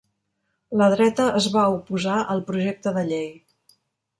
La dreta es va oposar al projecte de llei.